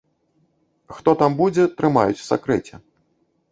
Хто там будзе, трымаюць у сакрэце.